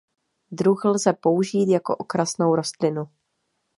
Druh lze použít jako okrasnou rostlinu.